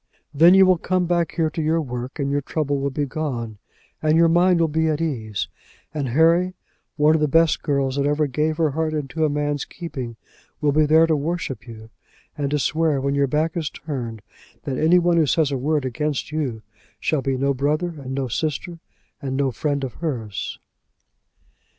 Then you will come back here to your work, and your trouble will be gone, and your mind will be at ease; and, Harry, one of the best girls that ever gave her heart into a man's keeping will be there to worship you, and to swear when your back is turned that any one who says a word against you shall be no brother and no sister and no friend of hers."